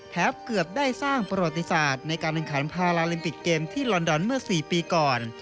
เกือบได้สร้างประวัติศาสตร์ในการแข่งขันพาราลิมปิกเกมที่ลอนดอนเมื่อ๔ปีก่อน